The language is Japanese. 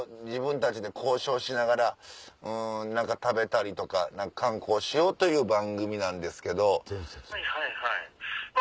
自分たちで交渉しながら食べたりとか観光しようという番組なんですけど。